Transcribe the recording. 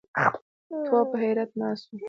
تواب په حيرت ناست و.